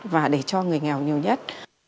và để cho người nghèo nhiều nhất